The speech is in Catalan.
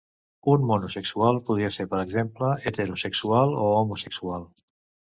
Un monosexual podria ser, per exemple, heterosexual o homosexual.